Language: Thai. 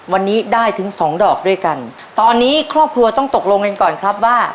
วันนี้ได้ถึงสองดอกด้วยกันตอนนี้ครอบครัวต้องตกลงกันก่อนครับว่า